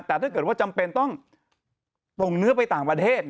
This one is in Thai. แต่ถ้าเกิดว่าจำเป็นต้องส่งเนื้อไปต่างประเทศ